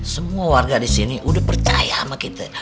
semua warga di sini udah percaya sama kita